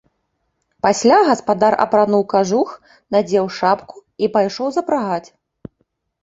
Пасля гаспадар апрануў кажух, надзеў шапку і пайшоў запрагаць.